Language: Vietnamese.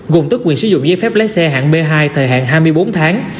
gồm tức quyền sử dụng giấy phép lái xe hạng b hai thời hạn hai mươi bốn tháng